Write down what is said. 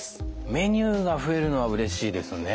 メニューが増えるのはうれしいですね。